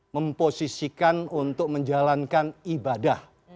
memposisikan untuk menjalankan ibadah